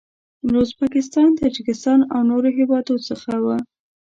له ازبکستان، تاجکستان او نورو هیوادو څخه و.